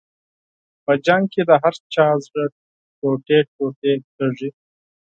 په جنګ کې د هر چا زړه ټوټې ټوټې کېږي.